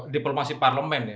diplomasi parlemen ya